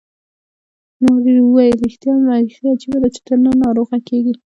ما وویل: ریښتیا هم، بیخي عجبه ده، چي ته نه ناروغه کېږې.